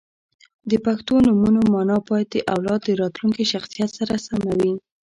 • د پښتو نومونو مانا باید د اولاد د راتلونکي شخصیت سره سمه وي.